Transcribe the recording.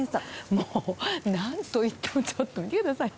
もうなんといっても、ちょっと見てください。